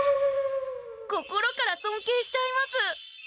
心からそんけいしちゃいます。